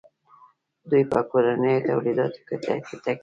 دوی په کورنیو تولیداتو تکیه کوي.